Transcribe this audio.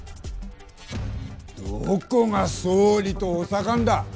どこが総理と補佐官だ。